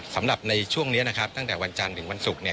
สำหรับในช่วงนี้นะครับตั้งแต่วันจันทร์ถึงวันศุกร์เนี่ย